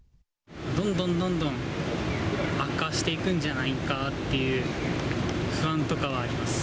どんどんどんどん悪化していくんじゃないかっていう不安とかはあります。